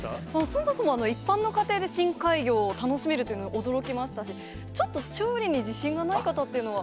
そもそも一般の家庭で深海魚を楽しめるというのは、驚きましたし、ちょっと調理に自信がない方というのは。